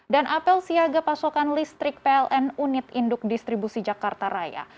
dan apel siaga pasokan listrik pln unit induk distribusi jakarta raya